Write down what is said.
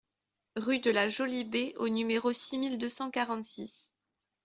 Rue de la Jolie Baie au numéro six mille deux cent quarante-six